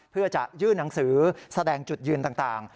เพื่อจะยื่นหนังสือแสดงจุดยืนต่าง